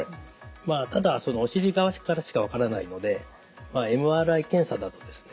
ただお尻側からしか分からないのでＭＲＩ検査だとですね